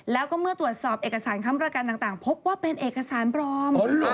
แล้วก็เมื่อตรวจสอบเอกสารค้ำประกันต่างพบว่าเป็นเอกสารปลอม